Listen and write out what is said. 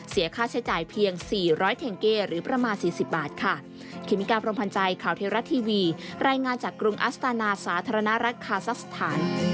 ค่าใช้จ่ายเพียง๔๐๐เทงเก้หรือประมาณ๔๐บาทค่ะสถาน